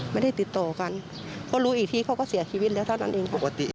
ไม่ได้ติดโตกันเพราะรู้อีกทีเขาก็เสียชีวิตแล้วเท่านั้นเอง